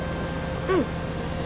うん。